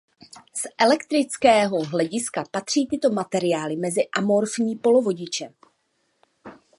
Z elektrického hlediska patří tyto materiály mezi amorfní polovodiče.